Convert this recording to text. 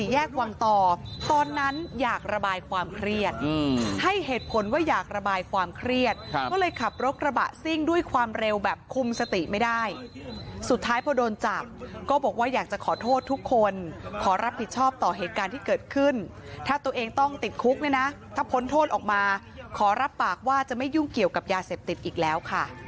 แยกวังต่อตอนนั้นอยากระบายความเครียดให้เหตุผลว่าอยากระบายความเครียดก็เลยขับรถกระบะซิ่งด้วยความเร็วแบบคุมสติไม่ได้สุดท้ายพอโดนจับก็บอกว่าอยากจะขอโทษทุกคนขอรับผิดชอบต่อเหตุการณ์ที่เกิดขึ้นถ้าตัวเองต้องติดคุกเนี่ยนะถ้าพ้นโทษออกมาขอรับปากว่าจะไม่ยุ่งเกี่ยวกับยาเสพติดอีกแล้วค่ะ